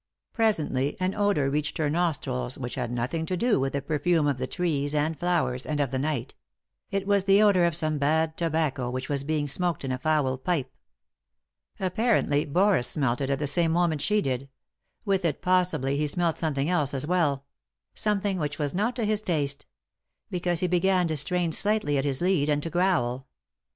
Presently an odour reached her nostrils which had nothing to do with the perfume of the trees, and flowers, and of the night — it was the 162 3i 9 iii^d by Google THE INTERRUPTED KISS odour of some bad tobacco which was being smoked in a foul pipe. Apparently Boris smelt it at the same moment she did ; with it, possibly, he smelt some thing else as well ; something which was not to his taste ; because he began to strain slightly at his lead, and to growl.